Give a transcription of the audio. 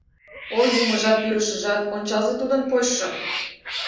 — Ой юмыжат-пӱрышыжат, ончалза тудын почшым!